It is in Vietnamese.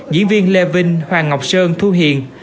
diễn viên lê vinh hoàng ngọc sơn thu hiền